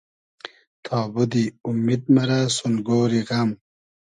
تابوتی اومید مئرۂ سون گۉری غئم